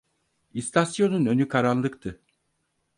İstasyonun önü karanlıktı.